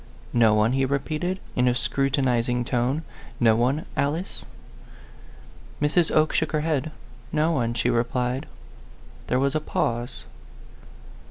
"No one?" he repeated, in a scrutinizing tone ;" no one, Alice ?" Mrs. Oke shook her head. " No one," she replied. There was a pause.